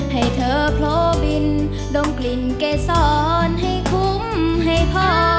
ให้เธอโพลบินดมกลิ่นเกษรให้คุ้มให้พอ